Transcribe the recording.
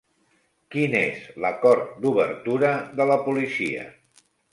Quin és l'acord d'obertura de la policia?